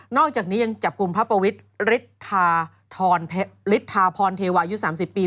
อกจากนี้ยังจับกลุ่มพระปวิทย์ฤทธาฤทธาพรเทวายุ๓๐ปี